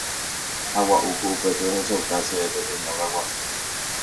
Ha gua'úko upépe ohechauka chéve peteĩ óga guasu.